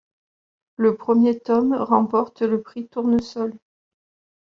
Le premier tome remporte le Prix Tournesol.